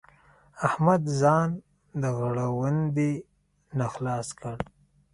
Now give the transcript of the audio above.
احمد ځان د غړوندي نه خلاص کړ.